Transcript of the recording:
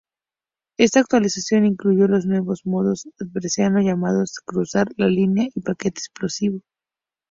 Esta actualización incluyó los nuevos Modos Adversario llamados Cruzar la Línea y Paquete Explosivo.